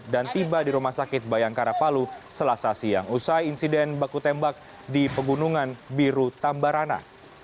dan tiba di rumah sakit bayangkara palu selasasi yang usai insiden baku tembak di pegunungan biru tambarana